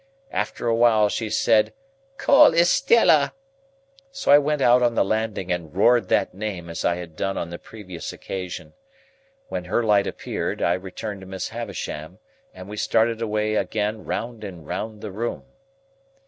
After a while she said, "Call Estella!" so I went out on the landing and roared that name as I had done on the previous occasion. When her light appeared, I returned to Miss Havisham, and we started away again round and round the room.